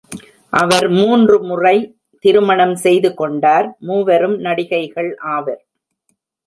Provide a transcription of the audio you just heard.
அவர் மூன்று முறை திருமணம் செய்து கொண்டார், மூவரும் நடிகைகள் ஆவர்.